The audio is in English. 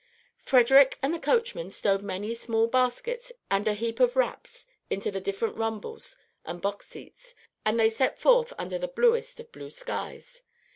Frederic and the coachman stowed many small baskets and a heap of wraps into the different rumbles and box seats, and they set forth under the bluest of blue skies.